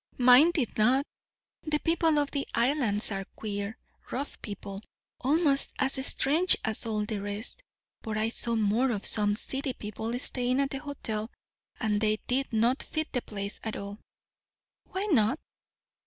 "Mine did not. The people of the Islands are queer, rough people, almost as strange as all the rest; but I saw more of some city people staying at the hotel; and they did not fit the place at all." "Why not?"